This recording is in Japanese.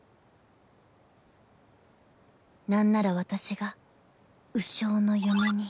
何なら私が鵜匠の嫁に